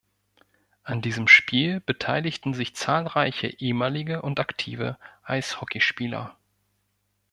An diesem Spiel beteiligten sich zahlreiche ehemalige und aktive Eishockeyspieler.